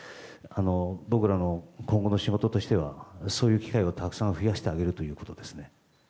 僕らの今後の仕事としてはそういう機会をたくさん増やしてあげるということですね。